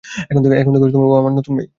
এখন থেকে, ও আমার নতুন ভাই।